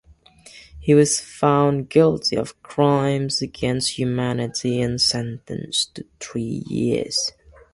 He was found guilty of crimes against humanity and sentenced to three years.